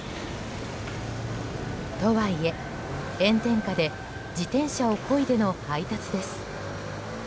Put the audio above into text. とはいえ、炎天下で自転車をこいでの配達です。